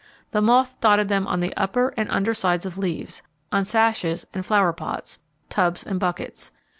The moth dotted them on the under and upper sides of leaves, on sashes and flower pots, tubs and buckets.